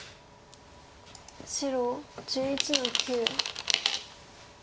白１１の九。